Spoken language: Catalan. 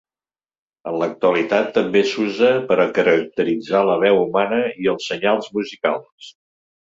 En l'actualitat també s'usa per a caracteritzar la veu humana i els senyals musicals.